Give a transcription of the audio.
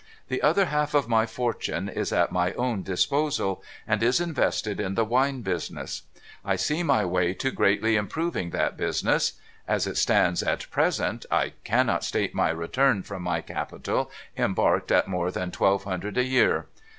The other half of my fortune is at my own disposal, and is invested m the wine business. I see my way to greatly improving that busi ness. As it stands at present, I cannot state my return from my capital embarked at more than twelve hundred a year.